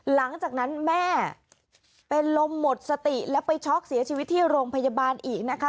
หลังจากนั้นแม่เป็นลมหมดสติแล้วไปช็อกเสียชีวิตที่โรงพยาบาลอีกนะคะ